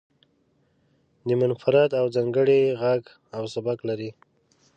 دی منفرد او ځانګړی غږ او سبک لري.